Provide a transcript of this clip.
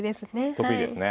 得意ですね。